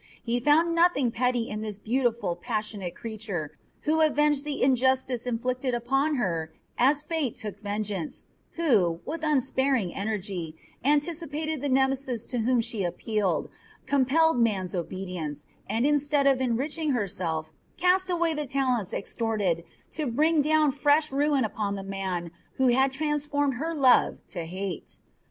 He found nothing petty in this beautiful, passionate creature who avenged the injustice inflicted upon her as Fate took vengeance, who, with unsparing energy, anticipated the Nemesis to whom she appealed, compelled men's obedience, and instead of enriching herself cast away the talents extorted to bring down fresh ruin upon the man who had transformed her love to hate.